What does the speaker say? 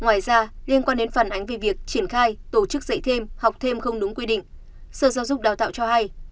ngoài ra liên quan đến phản ánh về việc triển khai tổ chức dạy thêm học thêm không đúng quy định sở giáo dục đào tạo cho hay